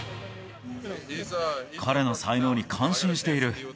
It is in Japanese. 彼の才能に感心している。